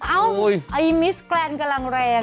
ไอ้มิสแกรนก็รั้งแรง